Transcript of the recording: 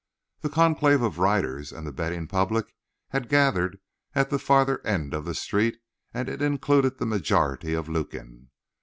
The conclave of riders and the betting public had gathered at the farther end of the street, and it included the majority of Lukin.